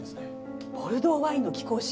ボルドーワインの貴公子。